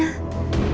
aku harus kesehatan